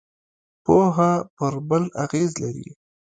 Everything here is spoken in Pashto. یوه پر بل اغېز لري